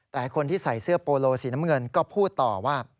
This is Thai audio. แต่คนที่ใส่เสื้อโปโลสีน้ำเงินก็พูดต่อว่า